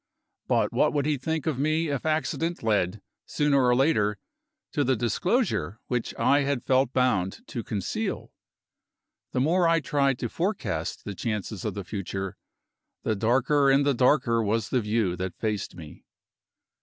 But what would he think of me if accident led, sooner or later, to the disclosure which I had felt bound to conceal? The more I tried to forecast the chances of the future, the darker and the darker was the view that faced me.